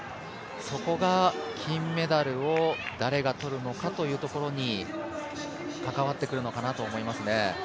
そこが金メダルを誰が取るのかというところにかかわってくるのかなと思いますね。